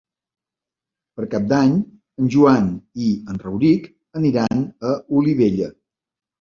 Per Cap d'Any en Joan i en Rauric aniran a Olivella.